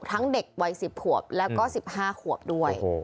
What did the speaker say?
เด็กวัย๑๐ขวบแล้วก็๑๕ขวบด้วย